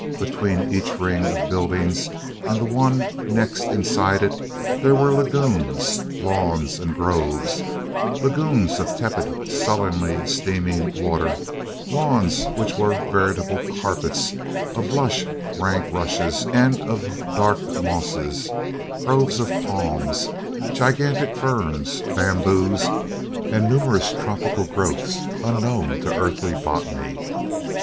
Between each ring of buildings and the one next inside it there were lagoons, lawns and groves lagoons of tepid, sullenly steaming water; lawns which were veritable carpets of lush, rank rushes and of dank mosses; groves of palms, gigantic ferns, bamboos, and numerous tropical growths unknown to Earthly botany.